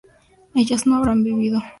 ¿ellas no habrán bebido?